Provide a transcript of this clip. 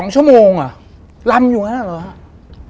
๒ชั่วโมงลำอยู่อย่างนั้นเหรอฮะ